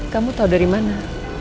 kamu tau dari mana